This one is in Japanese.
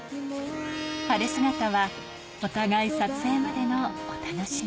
晴れ姿はお互い撮影までのお楽しみ。